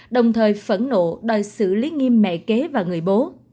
đồng thời phẫn nộ đòi xử lý nghiêm mẹ kế và người bố